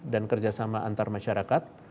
dan kerjasama antar masyarakat